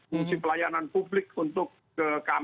fungsi pelayanan publik untuk keamanan